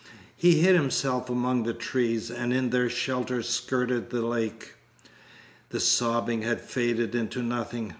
He hid himself among the trees, and in their shelter skirted the lake. The sobbing had faded into nothing.